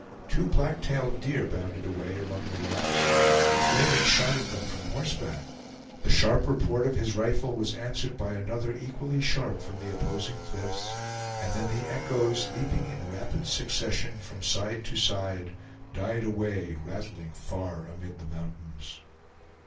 Two black tailed deer bounded away among the rocks; Raymond shot at them from horseback; the sharp report of his rifle was answered by another equally sharp from the opposing cliffs, and then the echoes, leaping in rapid succession from side to side, died away rattling far amid the mountains.